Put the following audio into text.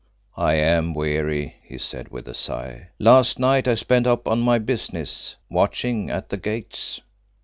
"I am weary," he said, with a sigh. "Last night I spent up on my business watching at the Gates."